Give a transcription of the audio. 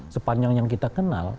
sepanjang yang kita kenal